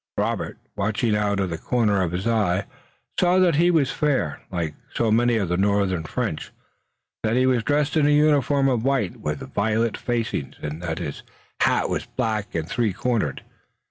Robert, watching out of the corner of his eye, saw that he was fair, like so many of the northern French, that he was dressed in a uniform of white with violet facings, and that his hat was black and three cornered.